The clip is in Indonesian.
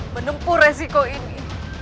menempuh resiko ini